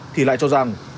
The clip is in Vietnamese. thì lại cho rằng